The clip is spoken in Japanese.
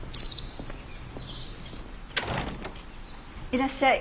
いらっしゃい。